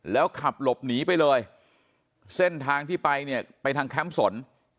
แล้วขับหลบหนีไปเลยเส้นทางที่ไปเนี่ยไปทางแคมป์สน